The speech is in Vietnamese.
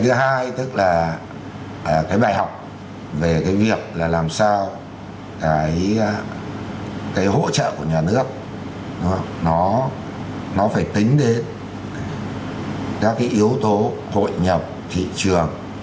thứ hai tức là cái bài học về cái việc là làm sao cái hỗ trợ của nhà nước nó phải tính đến các cái yếu tố hội nhập thị trường